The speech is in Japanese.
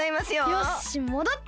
よしもどった！